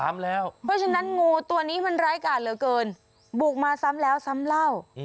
เพราะฉะนั้นงูตัวนี้มันร้ายการเหลือเกินบุกมาซ้ำแล้วซ้ำเล่า